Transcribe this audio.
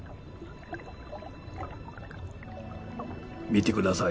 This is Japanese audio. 見てください！